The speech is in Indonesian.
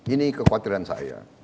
ini kekhawatiran saya